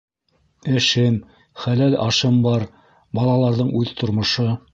Эшем, хәләл ашым бар, балаларҙың үҙ тормошо.